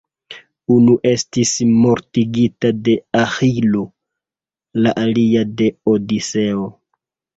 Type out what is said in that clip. Unu estis mortigita de Aĥilo, la alia de Odiseo.